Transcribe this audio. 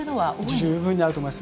十分あると思います。